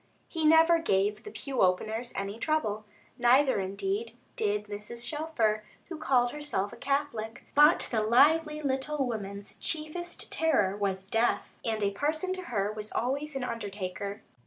He never gave the pew openers any trouble, neither indeed did Mrs. Shelfer, who called herself a Catholic; but the lively little woman's chiefest terror was death, and a parson to her was always an undertaker.